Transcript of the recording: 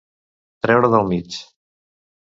Treure del mig.